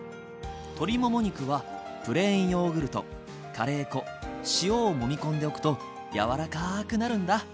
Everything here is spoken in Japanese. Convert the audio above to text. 鶏もも肉はプレーンヨーグルトカレー粉塩をもみ込んでおくと柔らかくなるんだ。